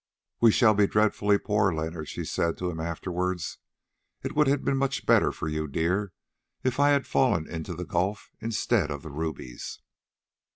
"We shall be dreadfully poor, Leonard," she said to him afterwards; "it would have been much better for you, dear, if I had fallen into the gulf instead of the rubies."